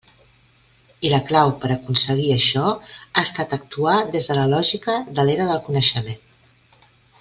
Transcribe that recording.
I la clau per aconseguir això ha estat actuar des de la lògica de l'Era del Coneixement.